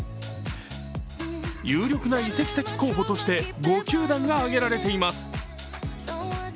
有力な移籍先候補として５球団が挙げられています。